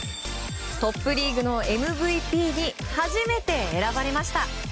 トップリーグのＭＶＰに初めて選ばれました。